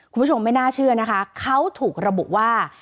คุณผู้ชมไม่น่าเชื่อนะคะเขาถูกระบุว่า